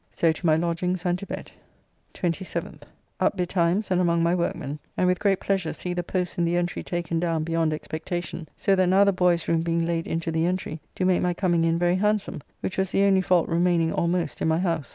So to my lodgings and to bed. 27th. Up betimes and among my workmen, and with great pleasure see the posts in the entry taken down beyond expectation, so that now the boy's room being laid into the entry do make my coming in very handsome, which was the only fault remaining almost in my house.